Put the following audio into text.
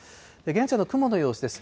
現在の雲の様子です。